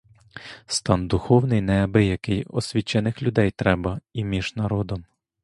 Стан духовний неабиякий; освічених людей треба і між народом.